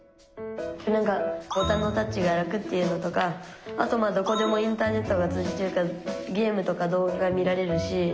ボタンのタッチが楽っていうのとかあとどこでもインターネットが通じてるからゲームとか動画が見られるし。